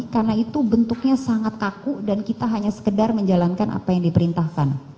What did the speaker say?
karena itu bentuknya sangat taku dan kita hanya sekedar menjalankan apa yang diperintahkan